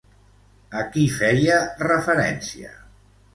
A qui feia referència?